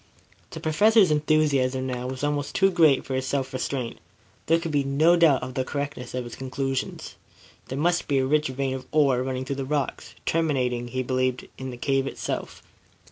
The Professor's enthusiasm now was almost too great for his self restraint. There could be no doubt of the correctness of his conclusions. There must be a rich vein of ore running through the rocks, terminating, he believed, in the cave itself.